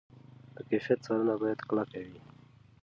د کیفیت څارنه باید کلکه وي.